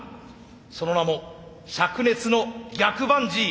その名も「灼熱の逆バンジー」。